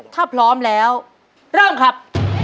ถ้าพร้อมแล้วเริ่มครับ